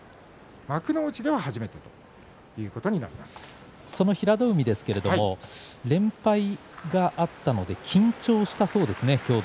幕内では初めてということに平戸海ですが連敗があったので今日は緊張したそうです。